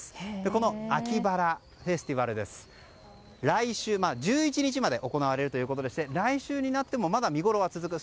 この秋バラフェスティバル来週１１日まで行われるということで来週になってもまだ見ごろは続く。